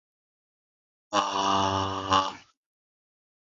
Prior to being named Three Days Grace, the band was known as Groundswell.